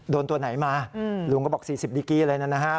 โดนตัวไหนมาลุงก็บอก๔๐ดิกี้อะไรนะฮะ